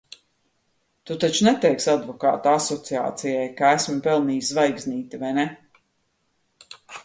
Tu taču neteiksi advokātu asociācijai, ka esmu pelnījis zvaigznīti, vai ne?